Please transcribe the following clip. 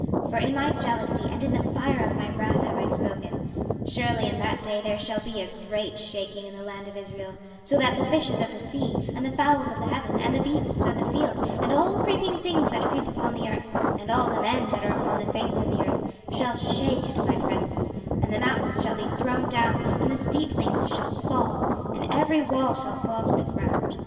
26:038:019 For in my jealousy and in the fire of my wrath have I spoken, Surely in that day there shall be a great shaking in the land of Israel; 26:038:020 So that the fishes of the sea, and the fowls of the heaven, and the beasts of the field, and all creeping things that creep upon the earth, and all the men that are upon the face of the earth, shall shake at my presence, and the mountains shall be thrown down, and the steep places shall fall, and every wall shall fall to the ground.